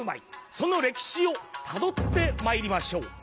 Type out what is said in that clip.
その歴史をたどってまいりましょう。